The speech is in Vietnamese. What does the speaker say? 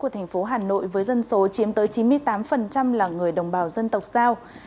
của thành phố hà nội với dân số chiếm tới chín mươi tám là người đồng bào dân tộc giao